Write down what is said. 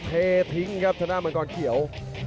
เทพิ้งครับทะนาบังกรเขียว